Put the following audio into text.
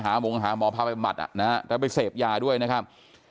หาหมอพาไปประบัติแล้วไปเสพยาด้วยนะครับ